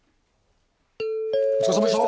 お疲れさまでした。